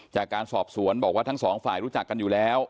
จากการสอบสวนบอกว่าทั้งสองฝ่ายรู้จักกันอยู่แล้ว